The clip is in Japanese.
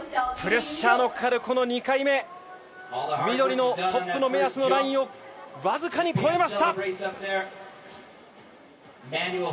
プレッシャーのかかるこの２回目緑のトップの目安のラインを僅かに越えました。